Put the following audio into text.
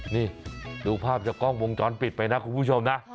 นี่ดูภาพจากกล้องวงจรปิดไปนะคุณผู้ชมนะ